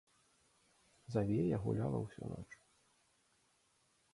Завея гуляла ўсю ноч.